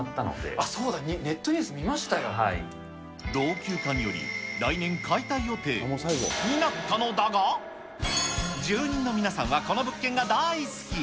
あっ、そうだ、ネットニュー老朽化により、来年解体予定になったのだが、住人の皆さんは、この物件が大好き。